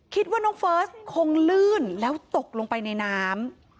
คิดว่าน้องเฟิร์สคงลื่นแล้วตกลงไปในน้ำ